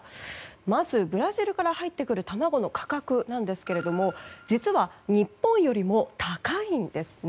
まず、ブラジルから入ってくる卵の価格ですが実は、日本よりも高いんですね。